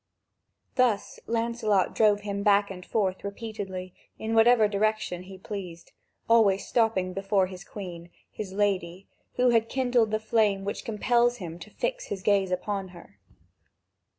Thus Lancelot drove him back and forth repeatedly in whatever direction he pleased, always stopping before the Queen, his lady, who had kindled the flame which compels him to fix his gaze upon her.